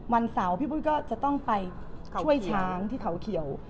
วันเสาร์พี่ปุ้ยก็จะต้องไปช่วยช้างที่เขาเขียว